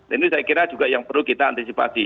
ini saya kira juga yang perlu kita antisipasi